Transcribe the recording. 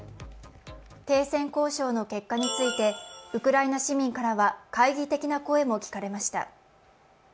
停戦交渉の結果についてウクライナ市民からは懐疑的な声も聞かれました。